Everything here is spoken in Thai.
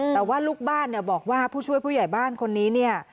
แต่ว่าลูกบ้านบอกว่าผู้ช่วยผู้ใหญ่บ้านคนนี้